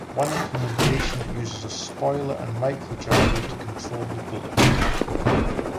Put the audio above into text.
One implementation uses a spoiler and micro gyro to control the bullet.